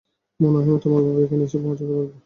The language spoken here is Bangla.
মনে হয় না তোমার বাবা এখানে এসে পৌঁছতে পারবে!